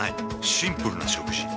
シンプルな食事。